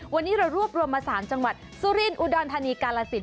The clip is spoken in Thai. วันนี้เรารวบรวมมาสารจังหวัดสุรินอุดรธานีกาลสิน